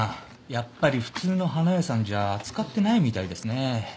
やっぱり普通の花屋さんじゃ扱ってないみたいですね。